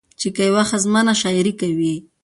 چې که يوه ښځمنه شاعري کوي